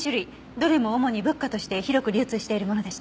どれも主に仏花として広く流通しているものでした。